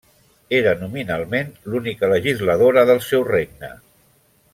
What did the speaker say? Era nominalment l'única legisladora del seu regne.